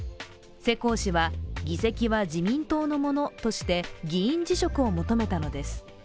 世耕氏は、議席は自民党のものとして議員辞職を求めたのです。